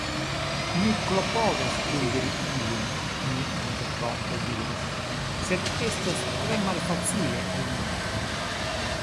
Mi klopodos kuiri ilin, mi interrompe diris, sed estos tre malfacile al mi.